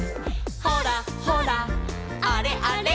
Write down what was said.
「ほらほらあれあれ」